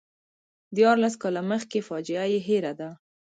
دیارلس کاله مخکې فاجعه یې هېره ده.